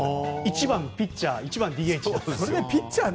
１番ピッチャー、１番ＤＨ。